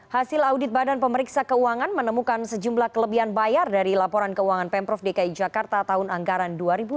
hasil audit badan pemeriksa keuangan menemukan sejumlah kelebihan bayar dari laporan keuangan pemprov dki jakarta tahun anggaran dua ribu dua puluh